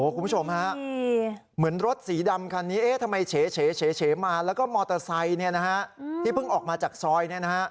คุณผู้ชมฮะเหมือนรถสีดำคันนี้ทำไมเฉมาแล้วก็มอเตอร์ไซค์ที่เพิ่งออกมาจากซอย